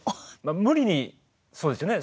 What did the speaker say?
無理にそうですね